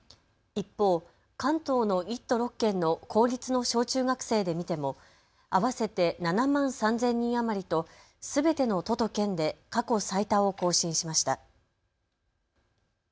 一方、関東の１都６県の公立の小中学生で見ても合わせて７万３０００人余りとすべての都と県で過去最多を更新しました。